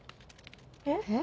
えっ？